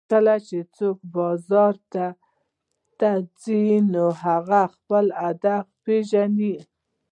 کله چې څوک بازار ته ځي نو هغه خپل هدف پېژني